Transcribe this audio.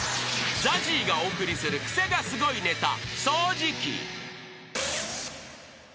［ＺＡＺＹがお送りするクセがスゴいネタ］